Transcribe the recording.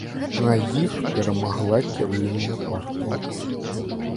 На іх перамагла кіруемая партыя.